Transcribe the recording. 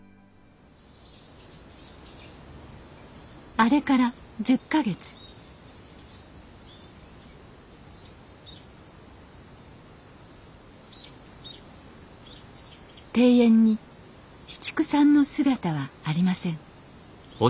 あれから１０か月庭園に紫竹さんの姿はありません